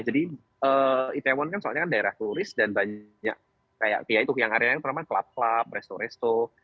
jadi itaewon kan soalnya daerah turis dan banyak kayak itu yang area yang terkenal klub klub resto resto